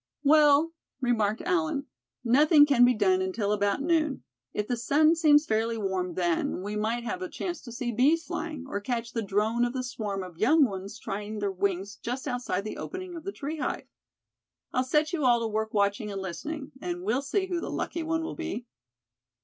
"Well," remarked Allan, "nothing can be done until about noon. If the sun seems fairly warm then, we might have a chance to see bees flying, or catch the drone of the swarm of young ones trying their wings just outside the opening of the tree hive. I'll set you all to work watching and listening; and we'll see who the lucky one will be."